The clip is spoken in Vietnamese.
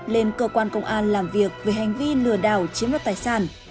lên cơ quan công an làm việc về hành vi lừa đảo chiếm đoạt tài sản